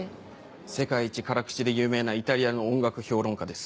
世界一辛口で有名なイタリアの音楽評論家です。